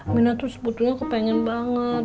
mina tuh sebetulnya kepengen banget